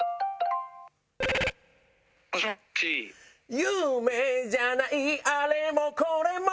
「夢じゃないあれもこれも」